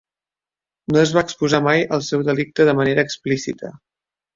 No es va exposar mai el seu delicte de manera explícita.